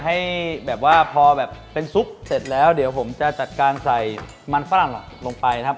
ให้แบบว่าพอแบบเป็นซุปเสร็จแล้วเดี๋ยวผมจะจัดการใส่มันฝรั่งลงไปครับ